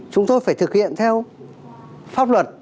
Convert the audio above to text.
chúng tôi phải thực hiện theo pháp luật